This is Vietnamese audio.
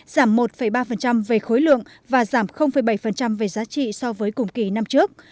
giảm một ba về khối lượng và giảm bảy về giá trị so với cùng kỳ năm trước